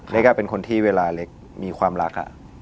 เล็กเป็นคนที่เวลาเล็กมีความรัก